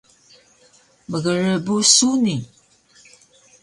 Mgrbu suni